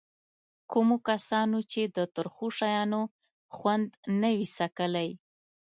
کومو کسانو چې د ترخو شیانو خوند نه وي څکلی.